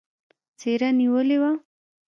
څېره نېولې وه.